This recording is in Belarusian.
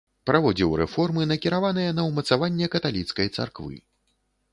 Праводзіў рэформы, накіраваныя на ўмацаванне каталіцкай царквы.